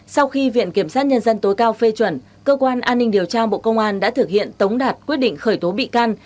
sau khi viện kiểm sát nhân dân tối cao phê chuẩn cơ quan an ninh điều tra bộ công an đã thực hiện tống đạt quyết định khởi tố bị can